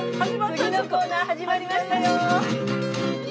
次のコーナー始まりましたよ。